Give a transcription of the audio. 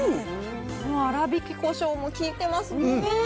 粗挽きこしょうも効いてますね。